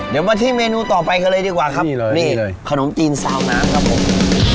เดี๋ยวมาที่เมนูต่อไปกันเลยดีกว่าครับนี่เลยนี่เลยขนมจีนซาวน้ำครับผม